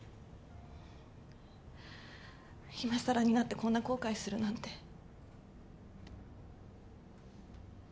いまさらになってこんな後悔するなんて。